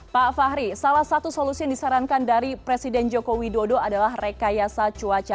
pak fahri salah satu solusi yang disarankan dari presiden joko widodo adalah rekayasa cuaca